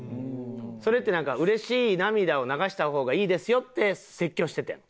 それってなんか嬉しい涙を流した方がいいですよって説教しててん。